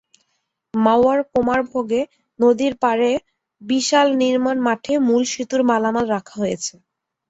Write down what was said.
মাওয়ার কোমারভোগে নদীর পারে বিশাল নির্মাণ মাঠে মূল সেতুর মালামাল রাখা হয়েছে।